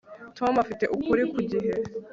Tom afite ukuri ku gihe